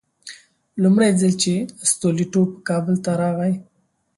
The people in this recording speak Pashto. لومړی ځل چې ستولیتوف کابل ته راغی.